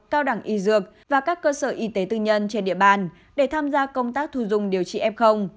cao đẳng y dược và các cơ sở y tế tư nhân trên địa bàn để tham gia công tác thu dung điều trị f